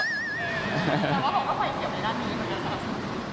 แต่ว่าผมก็ไฟเขียวในด้านนี้คืออะไรครับ